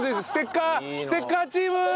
ステッカーチーム！